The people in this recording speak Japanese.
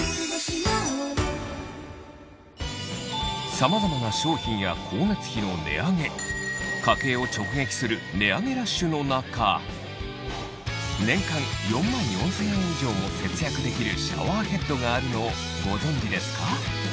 さまざまな商品や光熱費の値上げ家計を直撃する値上げラッシュの中できるシャワーヘッドがあるのをご存じですか？